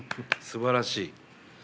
すばらしい。